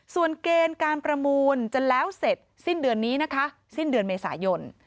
ส่วนเกณฑ์การประมูลจะแล้วเสร็จสิ้นเดือนนี้นะคะสิ้นเดือนเมษายน